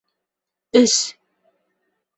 Өс